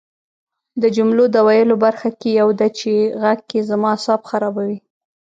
د جملو د ویلو برخه کې یوه ده چې غږ کې زما اعصاب خرابوي